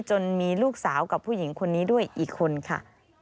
จนมีลูกสาวกับผู้หญิงคนนี้ด้วยอีกคนค่ะ